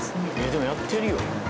でもやってるよ。